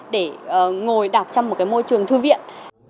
để ngồi đọc trong một cái môi trường thư viện